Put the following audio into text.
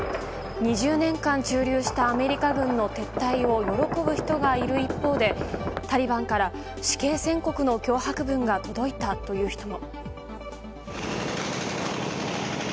２０年間駐留したアメリカ軍の撤退を喜ぶ人がいる一方でタリバンから死刑宣告の脅迫文が届いたという人も。